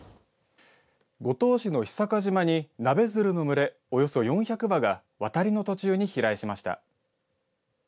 五島市の久賀島にナベヅルの群れおよそ４００羽が渡りの途中に飛来しました。